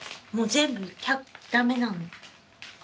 もう全部だめなの。